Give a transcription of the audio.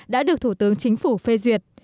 đã được thủ tướng chính phủ phê duyệt